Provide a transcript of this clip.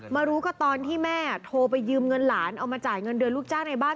รู้ก็ตอนที่แม่โทรไปยืมเงินหลานเอามาจ่ายเงินเดือนลูกจ้างในบ้าน